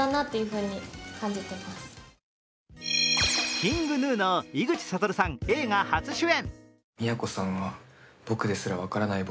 ＫｉｎｇＧｎｕの井口理さん、映画初主演。